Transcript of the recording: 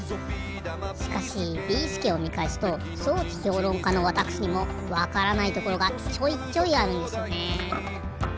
しかしビーすけをみかえすと装置評論家のわたくしにもわからないところがちょいちょいあるんですよね。